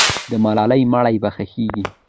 د ملالۍ مړی به ښخېږي.